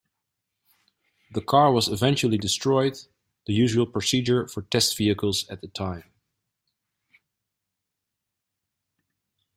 The car was eventually destroyed, the usual procedure for test vehicles at the time.